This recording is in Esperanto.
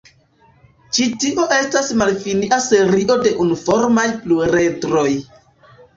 Ĉi tio estas malfinia serio de unuformaj pluredroj.